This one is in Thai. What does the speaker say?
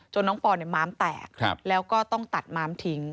จนน้องป่อเนี่ยมามแตกแล้วก็ต้องตัดมามทิ้ง